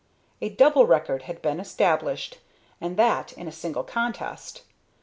A double record had been established, and that in a single contest.